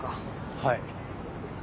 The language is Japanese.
はい。